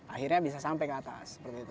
akhirnya bisa sampai ke atas